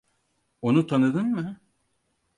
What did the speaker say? Onu tanıdın mı?